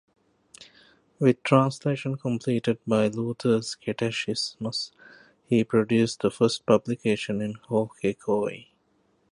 With translation completed by Luthers Katechismus, he produced the first publication in Khoekhoe.